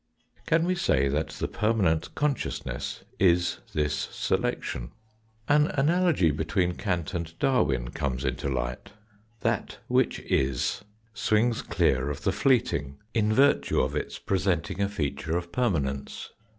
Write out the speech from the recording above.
Can we say that the permanent consciousness is this selection ? An analogy between Kant and Darwin comes into light. That which is swings clear of the fleeting, in virtue of its presenting a feature of permanence.